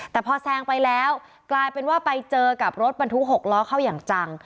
แต่พอแซงไปแล้วกลายเป็นว่าไปเจอกับรถบรรทุก๖ล้อเข้าอย่างจัง